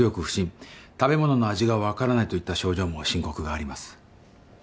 不振食べ物の味がわからないといった症状も申告があります。